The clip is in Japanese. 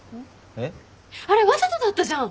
あれわざとだったじゃん。